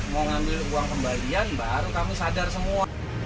mau ngambil uang kembalian baru kami sadar semua